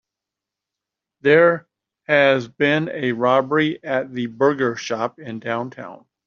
There has been a robbery at the burger shop in downtown.